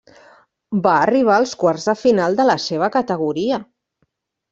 Va arribar als quarts de final de la seva categoria.